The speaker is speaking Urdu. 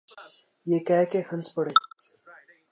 یہ کہہ کے ہنس پڑے۔